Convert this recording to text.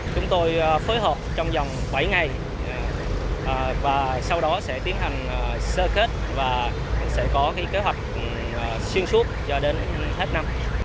chúng tôi phối hợp trong dòng bảy ngày và sau đó sẽ tiến hành sơ kết và sẽ có kế hoạch xuyên suốt cho đến hết năm